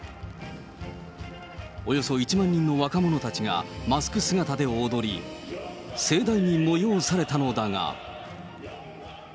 およそ１万人の若者たちがマスク姿で踊り、盛大に催されたのだが。